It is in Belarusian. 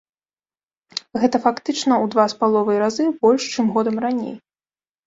Гэта фактычна ў два з паловай разы больш, чым годам раней.